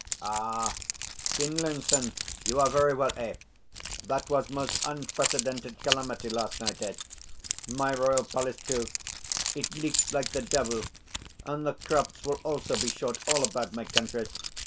Ah, Finlinson, you are very well, eh? That was most unprecedented calamity last night, eh? My royal palace, too, it leaks like the devil, and the crops will also be short all about my country.